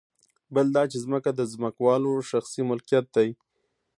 بل دا چې ځمکه د ځمکوالو شخصي ملکیت دی